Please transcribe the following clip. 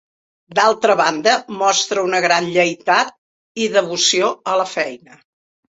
D'altra banda, mostra una gran lleialtat i devoció a la feina.